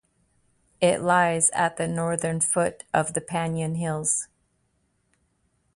It lies at the northern foot of the Panion hills.